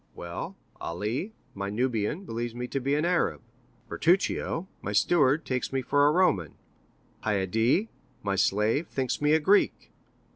Well, Ali, my Nubian, believes me to be an Arab; Bertuccio, my steward, takes me for a Roman; Haydée, my slave, thinks me a Greek.